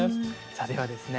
さあではですね